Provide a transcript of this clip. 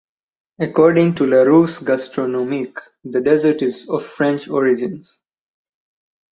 According to "Larousse Gastronomique" the dessert is of French origins.